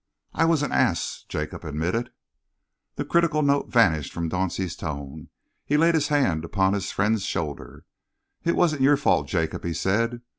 "I was an ass," Jacob admitted. The critical note vanished from Dauncey's tone. He laid his hand upon his friend's shoulder. "It wasn't your fault, Jacob," he said.